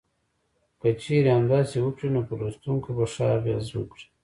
که چېرې همداسې وکړي نو په لوستونکو به ښه اغیز وکړي.